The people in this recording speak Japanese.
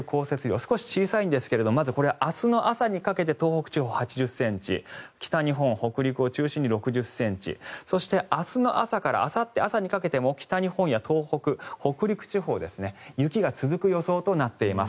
少し小さいんですがまず明日の朝にかけて東北地方８０ｃｍ北日本、北陸を中心に６０ｃｍそして、明日の朝からあさって朝にかけても北日本や東北、北陸地方雪が続く予想となっています。